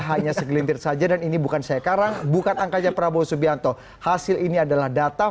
hanya segelintir saja dan ini bukan sekarang bukan angkanya prabowo subianto hasil ini adalah data